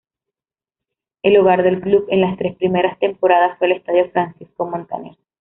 El hogar del Club en las tres primeras temporadas, fue el Estadio Francisco Montaner.